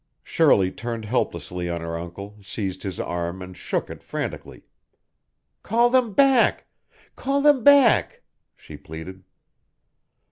Shirley turned helplessly on her uncle, seized his arm and shook it frantically. "Call them back! Call them back!" she pleaded.